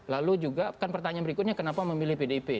dan juga kan pertanyaan berikutnya kenapa memilih pdip